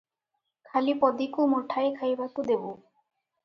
ଖାଲି ପଦୀକୁ ମୁଠାଏ ଖାଇବାକୁ ଦେବୁ ।